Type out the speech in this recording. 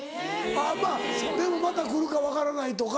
あぁまぁでもまた来るか分からないとか。